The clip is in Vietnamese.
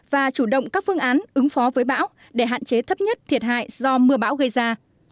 và chủ động các phương án ứng phó với bão để hạn chế thấp nhất thiệt hại do mưa bão gây ra